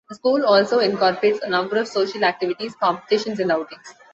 The School also incorporates a number of social activities, competitions and outings.